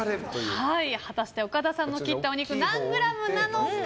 果たして岡田さんの切ったお肉何グラムなのか。